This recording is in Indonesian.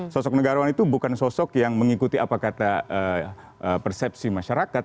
sosok negarawan itu bukan sosok yang mengikuti apa kata persepsi masyarakat